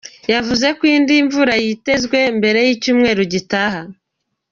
Yavuze ko indi mvura yitezwe mbere y'icyumweru gitaha.